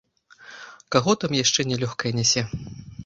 Каго там яшчэ нялёгкае нясе?!